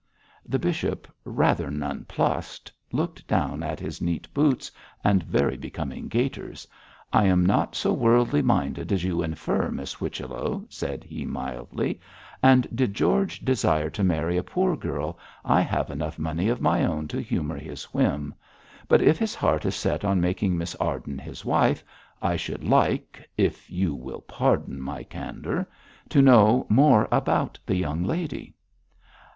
The bishop, rather nonplussed, looked down at his neat boots and very becoming gaiters. 'I am not so worldly minded as you infer, Miss Whichello,' said he, mildly; 'and did George desire to marry a poor girl, I have enough money of my own to humour his whim. But if his heart is set on making Miss Arden his wife, I should like if you will pardon my candour to know more about the young lady.'